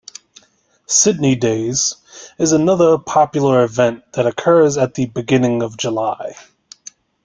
"Sidney days" is another popular event that occurs at the beginning of July.